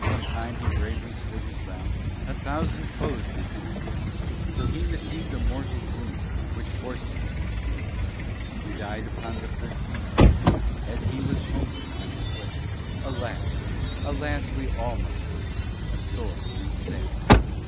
Some time he bravely stood his ground, A thousand foes did him surround, Till he received a mortal wound, Which forc'd him to retreat. He dy'd upon the thirteenth day, As he was home ward on his way; Alas! alas! we all must say, A sore and sad defeat.